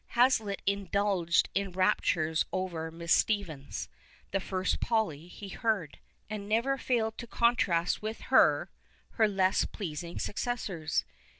Hazlitt indulged in rai)tures over Miss Stephens, the first Polly he heard, and never failed to contrast with her her less ])leasing successors.